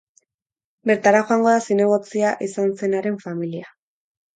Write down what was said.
Bertara joango da zinegotzia izan zenaren familia.